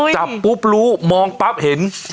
จับปุ๊บรู้มองปั๊บเห็น